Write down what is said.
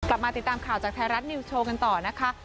กลับมาติดตามข่าวจากไทยรัฐนิวส์โชว์กันต่อนะคะ